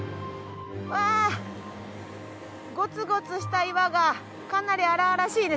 うわゴツゴツした岩がかなり荒々しいですね。